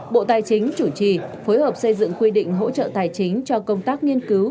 bộ tài chính chủ trì phối hợp xây dựng quy định hỗ trợ tài chính cho công tác nghiên cứu